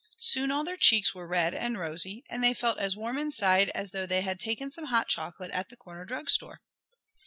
Soon all their cheeks were red and rosy, and they felt as warm inside as though they had taken some hot chocolate at the corner drug store.